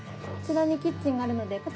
こちらにキッチンがあるので。